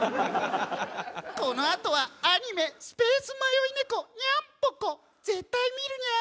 「このあとはアニメ“スペース迷い猫ニャンポコ”」「絶対見るニャン！」